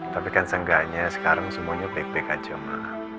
tapi kan seenggaknya sekarang semuanya baik baik aja maaf